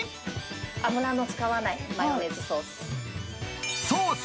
油を使わない、マヨネーズソース。